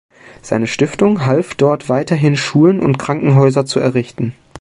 Seine Stiftung half dort weiterhin, Schulen und Krankenhäuser zu errichten.